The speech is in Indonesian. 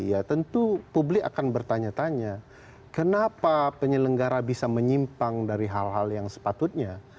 ya tentu publik akan bertanya tanya kenapa penyelenggara bisa menyimpang dari hal hal yang sepatutnya